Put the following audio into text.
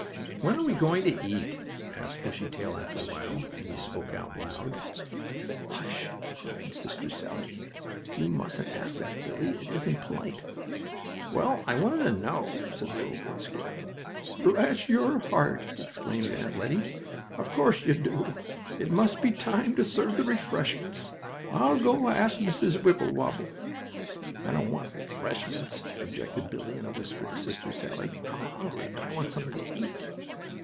"When are we going to eat?" asked Bushytail, after a while, and he spoke out loud. "Hush!" cried Sister Sallie. "You mustn't ask that, Billie; it isn't polite!" "Well, I wanted to know," said the little boy squirrel. "Bless your heart!" exclaimed Aunt Lettie. "Of course you do. It must be time to serve the refreshments. I'll go ask Mrs. Wibblewobble." "I don't want refreshments," objected Billie, in a whisper to Sister Sallie. "I'm hungry, and I want something to eat!"